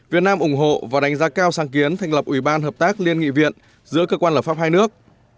việt nam ủng hộ và đánh giá cao sáng kiến thành lập ủy ban hợp tác liên nghị viện giữa cơ quan lập pháp hai nước